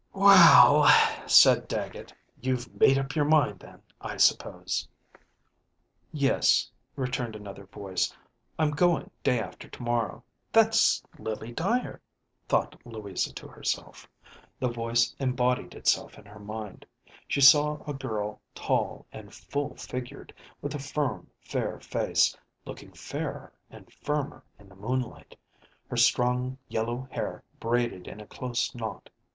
"Well," said Dagget, "you've made up your mind, then, I suppose ?" "Yes," returned another voice; "I'm going, day after tomorrow." ďThat's Lily Dyer," thought Louisa to herself. The voice embodied itself in her mind. She saw a girl tall and full figured, with a firm, fair face, looking fairer and firmer in the moonlight, her strong yellow hair braided in a close knot.